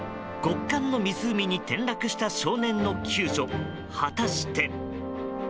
極寒の湖に転落した少年の救助果たして。